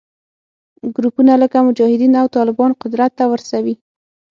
ګروپونه لکه مجاهدین او طالبان قدرت ته ورسوي